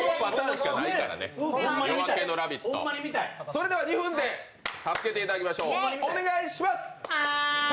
それでは２分で助けていただきましょう、お願いします！